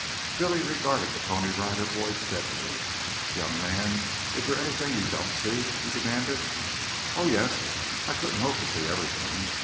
Billy regarded the Pony Rider Boy steadily. "Young man, is there anything you don't see?" he demanded. "Oh, yes, I couldn't hope to see everything.